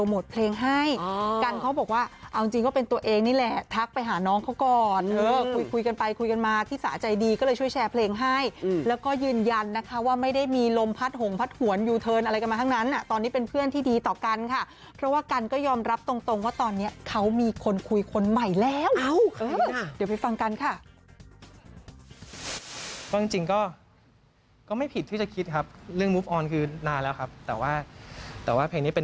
กันเขาบอกว่าเอาจริงก็เป็นตัวเองนี่แหละทักไปหาน้องเขาก่อนคุยกันไปคุยกันมาที่สาใจดีก็เลยช่วยแชร์เพลงให้แล้วก็ยืนยันนะคะว่าไม่ได้มีลมพัดหงพัดหวนยูเทิร์นอะไรกันมาทั้งนั้นตอนนี้เป็นเพื่อนที่ดีต่อกันค่ะเพราะว่ากันก็ยอมรับตรงว่าตอนนี้เขามีคนคุยคนใหม่แล้วเดี๋ยวไปฟังกันค่ะ